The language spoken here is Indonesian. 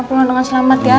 pulang dengan selamat ya